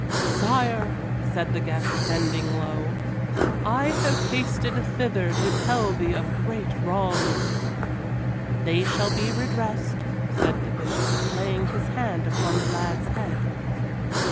"Sire," said the guest, bending low, "I have hasted thither to tell thee of great wrongs." "They shall be redressed," said the Bishop, laying his hand upon the lad's head.